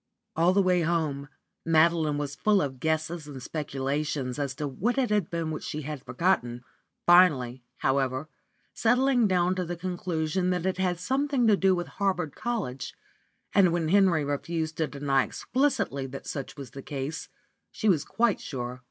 All the way home Madeline was full of guesses and speculation as to what it had been which she had forgotten, finally, however, settling down to the conclusion that it had something to do with Harvard College, and when Henry refused to deny explicitly that such was the case, she was quite sure.